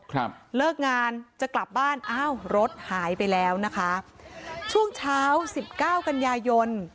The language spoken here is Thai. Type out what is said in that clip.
ครับเลิกงานจะกลับบ้านอ้าวรถหายไปแล้วนะคะช่วงเช้าสิบเก้ากันยายน